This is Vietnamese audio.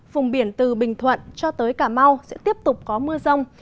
vùng biển từ bình thuận cho tới cà mau sẽ tiếp tục có mưa rông